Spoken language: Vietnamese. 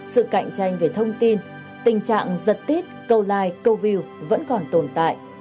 sự cạnh tranh về thông tin tình trạng giật tiết câu like câu view vẫn còn tồn tại